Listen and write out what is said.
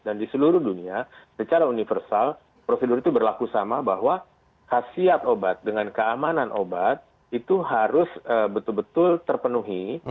dan di seluruh dunia secara universal prosedur itu berlaku sama bahwa khas siap obat dengan keamanan obat itu harus betul betul terpenuhi